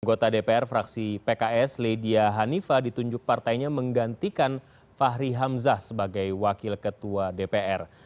anggota dpr fraksi pks ledia hanifa ditunjuk partainya menggantikan fahri hamzah sebagai wakil ketua dpr